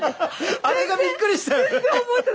あれがびっくりして。